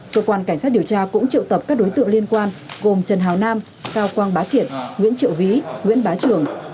cơ quan cảnh sát điều tra cũng triệu tập các đối tượng liên quan gồm trần hào nam cao quang bá kiện nguyễn triệu ví nguyễn bá trường